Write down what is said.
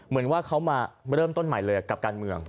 เหมือนว่าเขามาเริ่มต้นใหม่เลยกับการเมือง